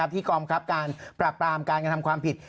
ที่กรอบปรับการปรับตามการทำความผิด